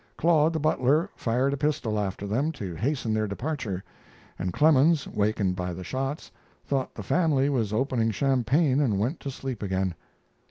Claude, the butler, fired a pistol after them to hasten their departure, and Clemens, wakened by the shots, thought the family was opening champagne and went to sleep again.